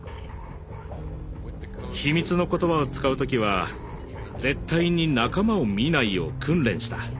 秘密の言葉を使う時は絶対に仲間を見ないよう訓練した。